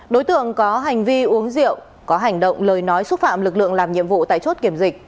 đối tượng có hành vi uống rượu có hành động lời nói xúc phạm lực lượng làm nhiệm vụ tại chốt kiểm dịch